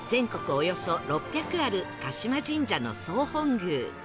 およそ６００ある鹿島神社の総本宮